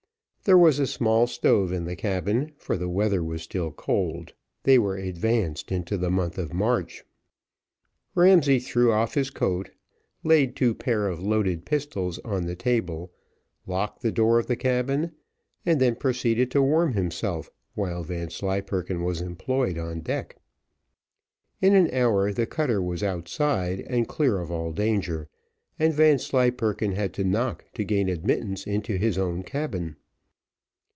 There was a small stove in the cabin, for the weather was still cold; they were advanced into the month of March. Ramsay threw off his coat, laid two pair of loaded pistols on the table, locked the door of the cabin, and then proceeded to warm himself, while Vanslyperken was employed on deck. In an hour the cutter was outside and clear of all danger, and Vanslyperken had to knock to gain admittance into his own cabin.